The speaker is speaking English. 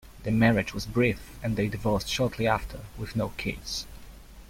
The marriage was brief and they divorced shortly after with no kids.